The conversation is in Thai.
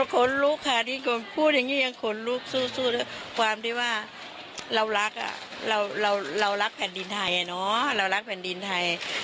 บอกไม่ถูกอะขนลุกสู้สู้ขนลุกห้าทีคนพูดอย่างเงี้ย